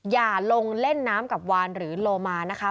อย่าลงเล่นน้ำกับวานหรือโลมานะคะ